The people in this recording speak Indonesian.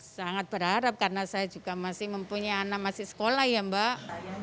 sangat berharap karena saya juga masih mempunyai anak masih sekolah ya mbak